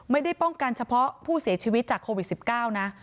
ไม่ได้ป้องกันเฉพาะผู้เสียชีวิตจากโควิด๑๙นะ